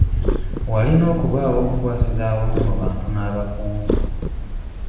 Walina okubaawo okukwasiza awamu mu bantu n'abakungu.